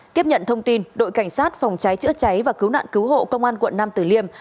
tiếp nhận thông tin đội cảnh sát phòng cháy chữa cháy và cứu nạn cứu hộ công an quận nam tử liêm